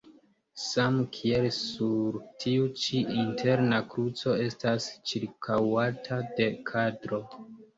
Same kiel sur tiu ĉi interna kruco estas ĉirkaŭata de kadro.